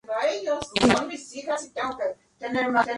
El perfil, que se sigue leyendo, se ha republicado en muchas antologías.